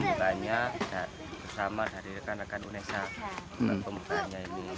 pembukaannya bersama rekan rekan unesa